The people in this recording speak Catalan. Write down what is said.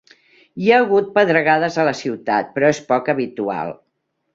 Hi ha hagut pedregades a la ciutat però és poc habitual.